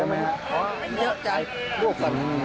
ประมาณสักแสน